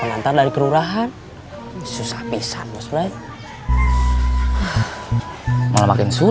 gak ada apa apa jelas